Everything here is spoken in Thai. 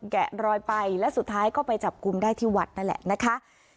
แกะรอยไปและสุดท้ายก็ไปจับกลุ่มได้ที่วัดนั่นแหละนะคะ